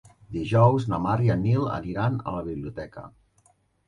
Dijous na Mar i en Nil aniran a la biblioteca.